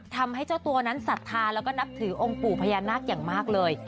ทำให้เจ้าตัวนั้นศรัทธาแล้วก็นับถือองค์ปู่พญานาคอย่างมากเลย